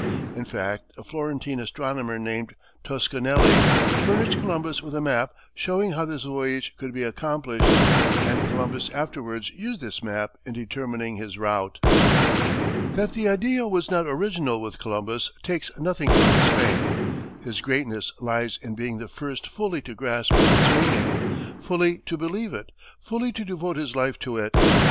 In fact, a Florentine astronomer named Toscanelli furnished Columbus with a map showing how this voyage could be accomplished, and Columbus afterwards used this map in determining his route. That the idea was not original with Columbus takes nothing from his fame; his greatness lies in being the first fully to grasp its meaning, fully to believe it, fully to devote his life to it.